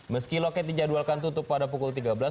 meski loket dijadwalkan tutup pada pukul tiga belas